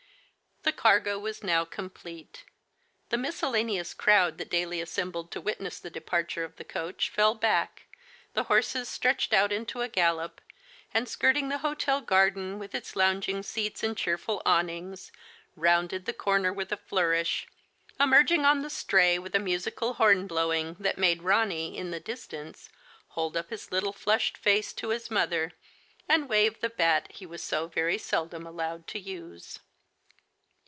" The cargo was now complete. The miscella neous crowd that daily assembled to witness the departure of the coach fell back, the horses stretched out into a gallop, and skirting the hotel garden, with its lounging seats, and cheerful awnings, rounded the corner with a flourish, emerging on the Stray with a musical horn blow ing that made Ronny, in the distance, hold up his little flushed face to his mother, and wave the bat he was so very seldom allowed to use.